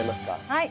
はい。